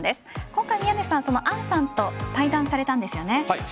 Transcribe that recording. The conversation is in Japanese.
今回、宮根さん杏さんと対談されたんですよね。